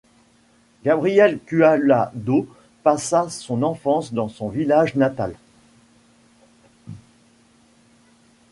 Gabriel Cuallado passa son enfance dans son village natal.